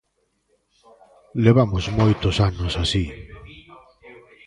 Levamos moitos anos así.